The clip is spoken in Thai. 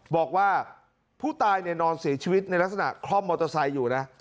บอกว่าผู้ตายนอนเสียชีวิตในลักษณะคล่อมมอเตอร์ไซค์อยู่นะ